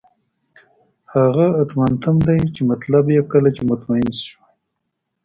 هغه اطماننتم دی چې مطلب یې کله چې مطمئن شوئ.